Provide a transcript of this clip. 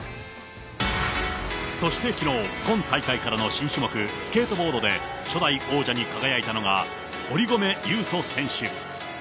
そして、きのう、今大会からの新種目、スケートボードで、初代王者に輝いたのが、堀米雄斗選手。